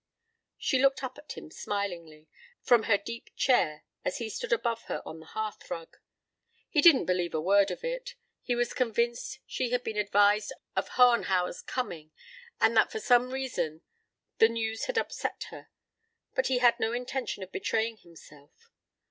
She looked up at him, smilingly, from her deep chair as he stood above her on the hearthrug. He didn't believe a word of it: he was convinced she had been advised of Hohenhauer's coming, and that for some reason the news had upset her; but he had no intention of betraying himself.